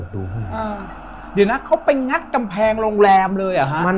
เดี๋ยวนะเขาไปงัดกำแพงโรงแรมเลยเหรอฮะ